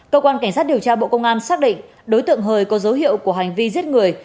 cơ quan cảnh sát điều tra bộ công an xác định đối tượng hời có dấu hiệu của hành vi giết người